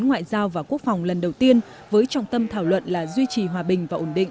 ngoại giao và quốc phòng lần đầu tiên với trọng tâm thảo luận là duy trì hòa bình và ổn định